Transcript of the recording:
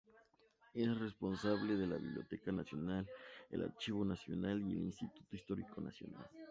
Es responsable de la Biblioteca Nacional, el Archivo Nacional, y el Instituto Histórico Nacional.